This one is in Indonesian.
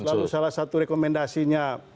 lalu salah satu rekomendasinya